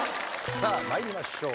さあ参りましょう。